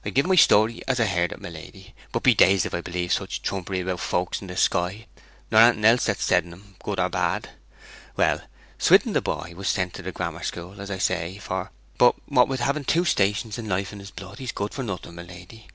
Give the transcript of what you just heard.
I give the story as I heard it, my lady, but be dazed if I believe in such trumpery about folks in the sky, nor anything else that's said on 'em, good or bad. Well, Swithin, the boy, was sent to the grammar school, as I say for; but what with having two stations of life in his blood he's good for nothing, my lady.